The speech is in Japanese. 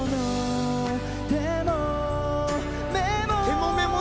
「手も目も」